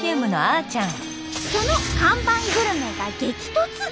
その看板グルメが激突！